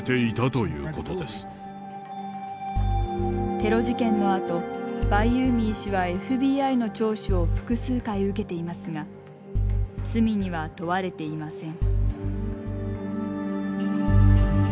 テロ事件のあとバイユーミー氏はＦＢＩの聴取を複数回受けていますが罪には問われていません。